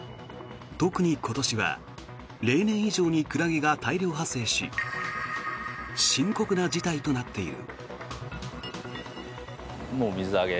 特に今年は例年以上にクラゲが大量発生し深刻な事態となっている。